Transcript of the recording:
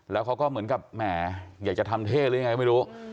แล้วเขาก็เหมือนกับแหมอยากจะทำเทศหรือยังไงก็ไม่รู้